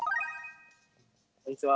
こんにちは。